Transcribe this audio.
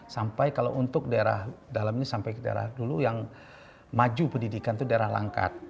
sampai kalau untuk daerah dalam ini sampai ke daerah dulu yang maju pendidikan itu daerah langkat